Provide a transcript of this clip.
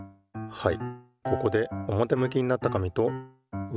はい。